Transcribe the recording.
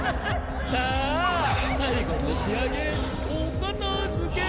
さあ最後の仕上げお片付け！